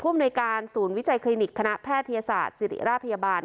อำนวยการศูนย์วิจัยคลินิกคณะแพทยศาสตร์ศิริราชพยาบาล